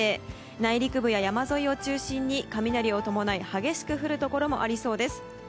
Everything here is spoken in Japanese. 内陸部や山沿いを中心に雷を伴い激しく降るところもありそうです。